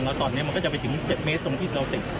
แล้วตอนนี้มันก็จะไปถึง๗เมตรตรงที่เราติด